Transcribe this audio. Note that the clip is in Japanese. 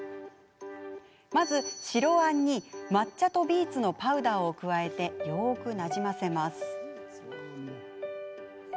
まず、白あんに抹茶とビーツのパウダーを加えてよくなじませます。